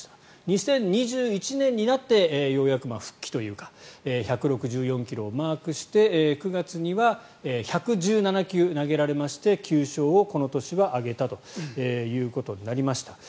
２０２１年になってようやく復帰というか１６４ｋｍをマークして９月には１１７球投げられまして９勝をこの年は挙げたということになりました。